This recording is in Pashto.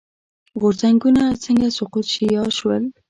غورځنګونه څنګه سقوط شي یا شول.